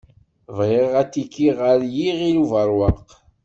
Bɣiɣ atiki ɣer Yiɣil Ubeṛwaq.